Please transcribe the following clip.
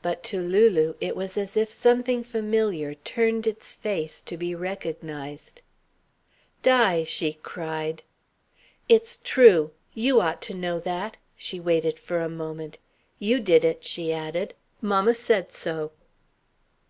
But to Lulu it was as if something familiar turned its face to be recognised. "Di!" she cried. "It's true. You ought to know that." She waited for a moment. "You did it," she added. "Mamma said so."